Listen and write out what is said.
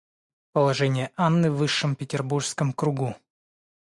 Положение Анны в высшем Петербургском кругу.